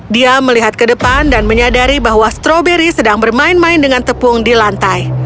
dia melihat ke depan dan menyadari bahwa stroberi sedang bermain main dengan tepung di lantai